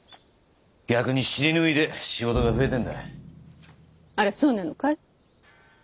逆に尻拭いで仕事が増えてんだあらそうなのかい？